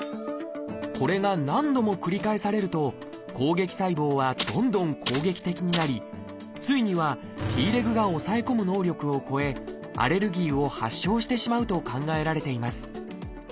これが何度も繰り返されると攻撃細胞はどんどん攻撃的になりついにはＴレグが抑え込む能力を超えアレルギーを発症してしまうと考えられています。